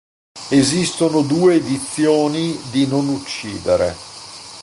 Esistono due edizioni di "Non uccidere".